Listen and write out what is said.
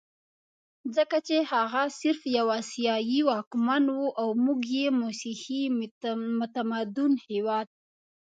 ځکه چې هغه صرف یو اسیایي واکمن وو او موږ یو مسیحي متمدن هېواد.